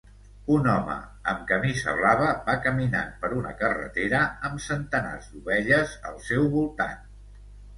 Un home amb camisa blava va caminant per una carretera amb centenars d'ovelles al seu voltant.